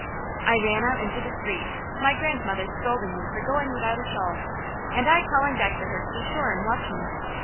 I ran out into the street, my grandmother scolding me for going without a shawl, and I calling back to her to be sure and watch me.